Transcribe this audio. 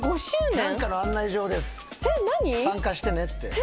参加してねって。